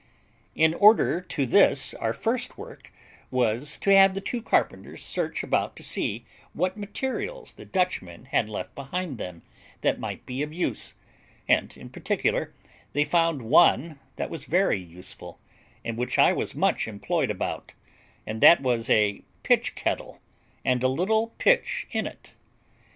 In order to this our first work was to have the two carpenters search about to see what materials the Dutchmen had left behind them that might be of use; and, in particular, they found one that was very useful, and which I was much employed about, and that was a pitch kettle, and a little pitch in it.